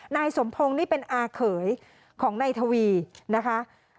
นายสมพงศ์นี่เป็นอาเขยของนายทวีนะคะ